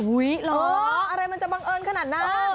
เหรออะไรมันจะบังเอิญขนาดนั้น